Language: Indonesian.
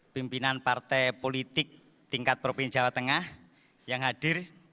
pimpinan partai politik tingkat provinsi jawa tengah yang hadir